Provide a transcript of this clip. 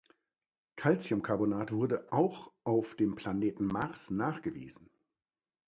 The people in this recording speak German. Calciumcarbonat wurde auch auf dem Planet Mars nachgewiesen.